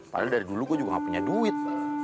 padahal dari dulu gue juga gak punya duit